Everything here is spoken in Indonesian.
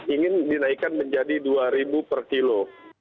ingin dinaikkan menjadi rp dua per kilo